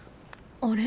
あれ？